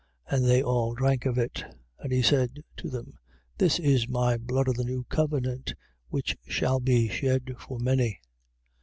And they all drank of it. 14:24. And he said to them: This is my blood of the new testament, which shall be shed for many.